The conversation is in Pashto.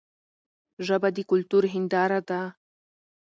ژبه د کلتور هنداره ده.